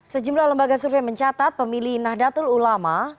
sejumlah lembaga survei mencatat pemilih nahdlatul ulama